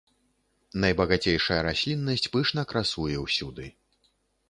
Найбагацейшая расліннасць пышна красуе ўсюды.